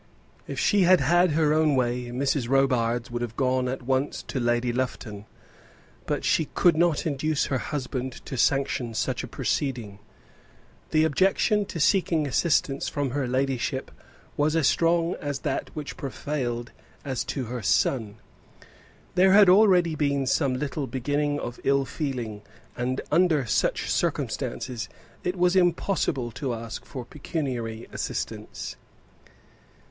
If she had had her own way Mrs. Robarts would have gone at once to Lady Lufton, but she could not induce her husband to sanction such a proceeding. The objection to seeking assistance from her ladyship was as strong as that which prevailed as to her son. There had already been some little beginning of ill feeling, and under such circumstances it was impossible to ask for pecuniary assistance.